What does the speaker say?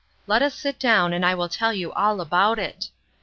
Let us sit down, and I will tell you all about it."